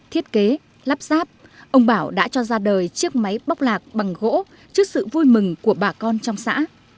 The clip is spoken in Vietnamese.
thiết kế lắp ráp ông bảo đã cho ra đời chiếc máy bóc lạc bằng gỗ trước sự vui mừng của bà con trong xã